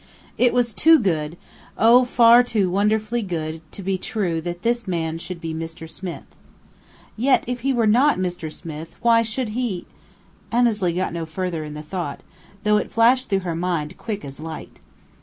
It was too good oh, far too wonderfully good! to be true that this man should be Mr. Smith. Yet if he were not Mr. Smith why should he Annesley got no farther in the thought, though it flashed through her mind quick as light.